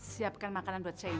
siapkan makanan buat siapkan